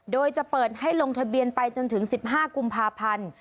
โดยจะเปิดให้ลงทะเบียนไปจนถึง๑๕กุมภาพันธ์